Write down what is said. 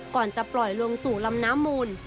ก่อนจะปล่อยลงสู่ลำน้ำมูล